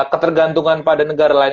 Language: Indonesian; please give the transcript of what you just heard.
ketergantungan pada negara lain